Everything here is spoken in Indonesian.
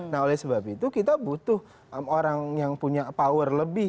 nah oleh sebab itu kita butuh orang yang punya power lebih